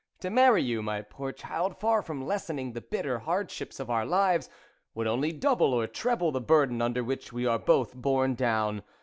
To marry you, my poor child, far from lessening the bitter hard ships of our lives, would only double or treble the burden under which we are both borne down.